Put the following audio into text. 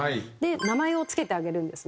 名前を付けてあげるんですね。